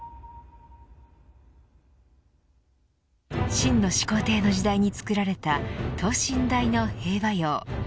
秦の始皇帝の時代に作られた等身大の兵馬俑。